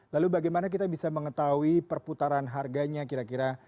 lalu bagaimana kita bisa mengetahui perputaran harganya kira kira